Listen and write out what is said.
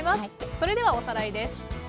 それではおさらいです。